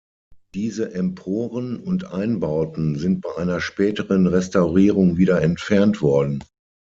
Diese Emporen und Einbauten sind bei einer späteren Restaurierung wieder entfernt worden.